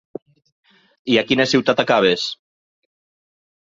I a quina ciutat acabes?